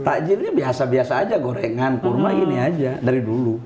takjilnya biasa biasa aja gorengan kurma gini aja dari dulu